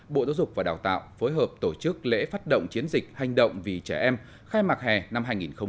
bộ giáo dục và đào tạo phối hợp tổ chức lễ phát động chiến dịch hành động vì trẻ em khai mạc hè năm hai nghìn hai mươi